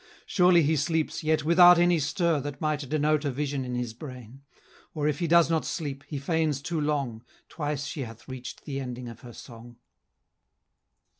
Surely he sleeps, yet without any stir That might denote a vision in his brain; Or if he does not sleep, he feigns too long, Twice she hath reach'd the ending of her song.